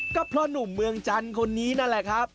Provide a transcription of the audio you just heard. ก็เพราะหนุ่มเมืองจันทร์คนนี้นั่นแหละครับ